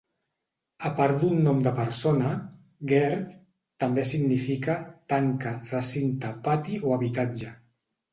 A part d'un nom de persona, "geard" també significa "tanca, recinte, pati o habitatge".